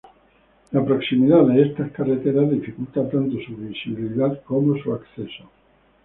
La proximidad de estas carreteras dificulta tanto su visibilidad como su acceso.